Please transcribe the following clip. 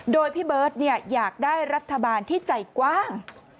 โดยพี่เบิร์ตอยากได้รัฐบาลที่ใจกว้าง